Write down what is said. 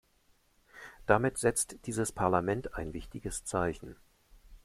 Damit setzt dieses Parlament ein wichtiges Zeichen.